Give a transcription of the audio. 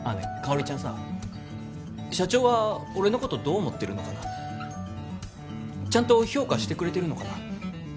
ほりちゃんさ社長は俺のことどう思ってるのかなちゃんと評価してくれてるのかな